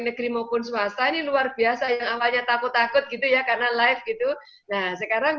negeri maupun swasta ini luar biasa yang awalnya takut takut gitu ya karena live gitu nah sekarang